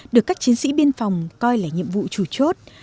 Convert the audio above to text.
được các chiến sĩ biên phòng coi là nhiệm vụ chủ chốt